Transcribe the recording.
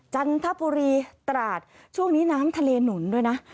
จันทบุรีตราดช่วงนี้น้ำทะเลหนุนด้วยนะ